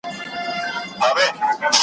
نو داسې احساس کوي